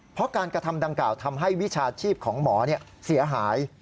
เพราะการกระทำดังกล่าวทำให้วิชาชีพของหมอเสียหาย